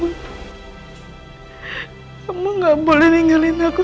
kamu gak boleh ningelin aku